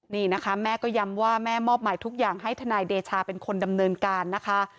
นี่นะคะแม่ก็ย้ำว่าแม่มอบหมายทุกอย่างให้ทนายเดชาเป็นคนดำเนินการนะคะ